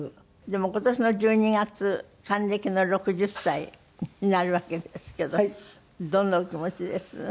でも今年の１２月還暦の６０歳になるわけですけどどんなお気持ちです？